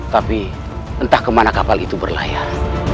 tapi entah ke mana kapal itu berlayar